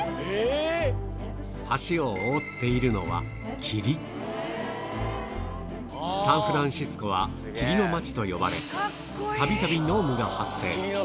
橋を覆っているのはサンフランシスコは霧の街と呼ばれたびたび濃霧が発生